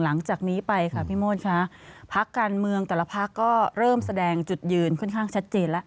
หลังจากนี้ไปค่ะพี่โมดค่ะพักการเมืองแต่ละพักก็เริ่มแสดงจุดยืนค่อนข้างชัดเจนแล้ว